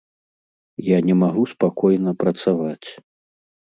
Я не магу спакойна працаваць.